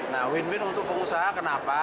nah win win untuk pengusaha kenapa